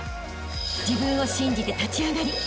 ［自分を信じて立ち上がりあしたへ